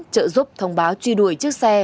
trợ giúp thông báo truy đuổi chiếc xe